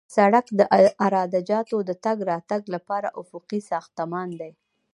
سړک د عراده جاتو د تګ راتګ لپاره افقي ساختمان دی